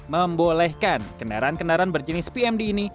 membolehkan kendaraan kendaraan berjenis pmd ini